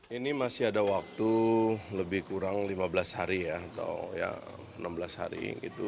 ini masih ada waktu lebih kurang lima belas hari ya atau ya enam belas hari